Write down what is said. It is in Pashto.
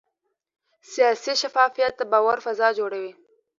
سیاسي شفافیت د باور فضا جوړوي